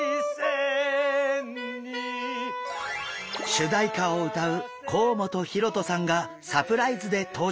主題歌を歌う甲本ヒロトさんがサプライズで登場。